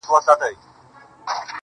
او ويې ويل